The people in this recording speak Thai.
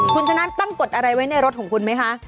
คุณชนะตั้งกดอะไรไว้ในรถของคุณไหมคะ